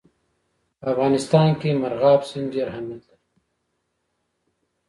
په افغانستان کې مورغاب سیند ډېر اهمیت لري.